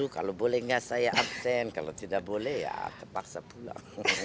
kalau boleh nggak saya absen kalau tidak boleh ya terpaksa pulang